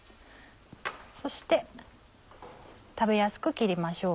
そして食べやすく切りましょう。